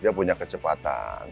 dia punya kecepatan